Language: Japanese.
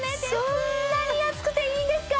そんなに安くていいんですか？